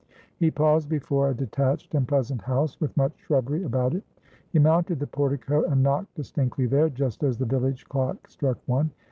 He paused before a detached and pleasant house, with much shrubbery about it. He mounted the portico and knocked distinctly there, just as the village clock struck one.